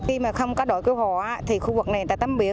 khi mà không có đội cứu hộ thì khu vực này người ta tắm biển